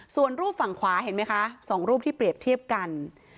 ส่วนรูปฝั่งขวาเห็นไหมคะ๒รูปที่เปรียบเทียบกัน